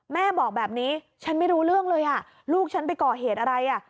แม่บอกแบบนี้ฉันไม่รู้เรื่องเลยอ่ะลูกฉันไปก่อเหตุอะไรอ่ะ